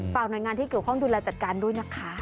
หน่วยงานที่เกี่ยวข้องดูแลจัดการด้วยนะคะ